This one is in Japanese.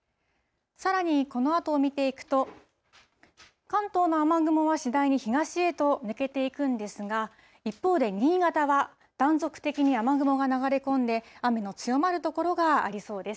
さらにこのあとを見ていくと、関東の雨雲は次第に東へと抜けていくんですが、一方で新潟は断続的に雨雲が流れ込んで、雨の強まる所がありそうです。